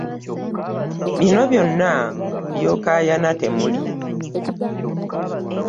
Bino byonna by'okaayana temuli.